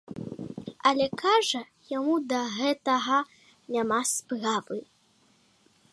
Але, кажа, яму да гэтага няма справы.